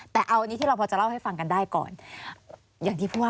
แต่วันนี้ที่เราจะพูดให้ฟังกันได้ก่อน